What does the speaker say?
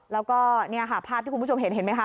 แล้วก็เนี่ยค่ะภาพที่คุณผู้ชมเห็นเห็นไหมคะ